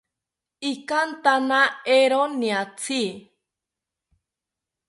Ikantana eero niatzi